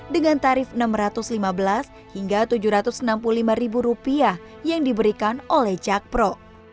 dengan tarif rp enam ratus lima belas hingga rp tujuh ratus enam puluh lima yang diberikan oleh jakpro